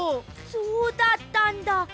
そうだったんだ。